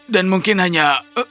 dan mungkin hanya